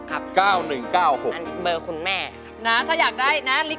ถ้าอยากได้ลิเกย์ไปรำก็รับราโหมดนะครับ